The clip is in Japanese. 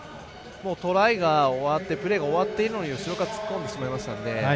トライが終わってプレーが終わっているのに後ろから突っ込んでしまったので。